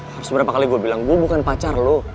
harus berapa kali gue bilang gue bukan pacar loh